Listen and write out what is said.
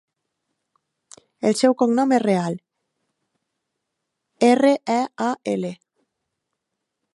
El seu cognom és Real: erra, e, a, ela.